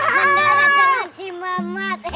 mendarat dengan si mamat